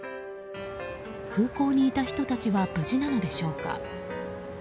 空港にいた人たちは無事なのでしょうか。